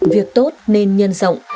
việc tốt nên nhân rộng